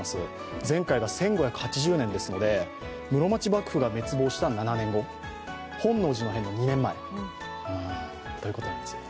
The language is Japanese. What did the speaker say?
前回が１５８０年ですので室町幕府が滅亡した７年後本能寺の変の２年前ということなんですよ。